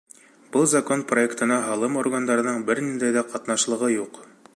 Был закон проектына һалым органдарының бер ниндәй ҙә ҡатнашлығы юҡ.